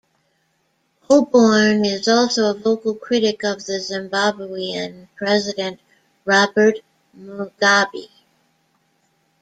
Oborne is also a vocal critic of the Zimbabwean president, Robert Mugabe.